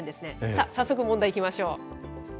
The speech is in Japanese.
さあ、早速問題いきましょう。